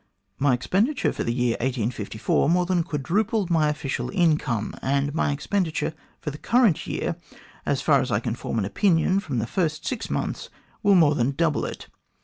"My expenditure for the year 1854 more than quadrupled my official income, and my expenditure for the current year, as far as I can form an opinion from the first six months, will more than double it.